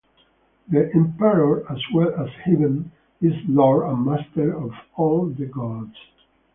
The emperor, as well as Heaven, is lord and master of all the gods.